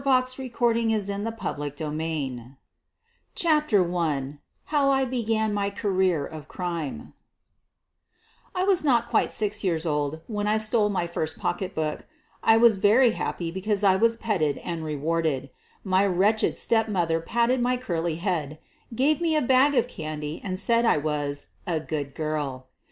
SOPHIE LYONS QUEEN OF THE BURGLARS CHAPTER I HOW I BEGAN MY CAREER OF CRIME I was not quite six years old when I stole my first pocketbook. I was very happy because I was petted and rewarded; my wretched stepmother patted my curly head, gave me a bag of candy, and said I was a "good girl."